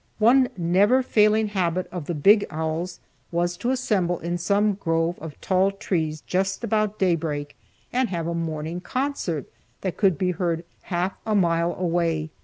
One never failing habit of the big owls was to assemble in some grove of tall trees just about daybreak, and have a morning concert, that could be heard half a mile away.